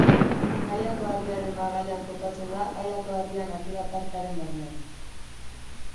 Aiako harriaren magalean kokatzen da, Aiako Harria natura parkearen barnean.